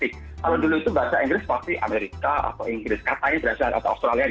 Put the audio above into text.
kalau dulu itu bahasa inggris pasti amerika atau inggris katanya brazil atau australia